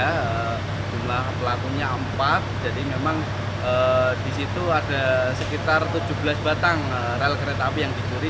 hai jumlah pelakunya empat jadi memang disitu ada sekitar tujuh belas batang rel kereta api yang dicuri